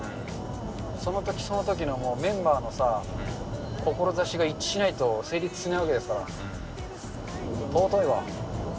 そのときそのときのメンバーのさ、志が一致しないと成立しないわけですから。